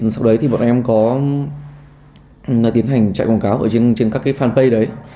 sau đấy thì bọn em có tiến hành chạy quảng cáo trên các fanpage đấy